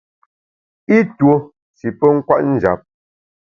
I tuo shi pe kwet njap.